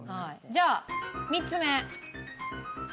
じゃあ３つ目。